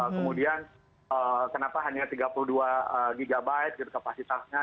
kemudian kenapa hanya tiga puluh dua gb gitu kapasitasnya